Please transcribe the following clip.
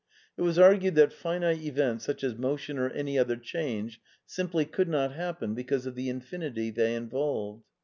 It was argued that finite events, such as motion or any other change, simply could not happen because of the infinity they involved.